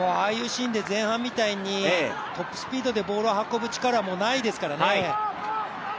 ああいうシーンで前半みたいにトップスピードでボールを運ぶ力はもうないですからね。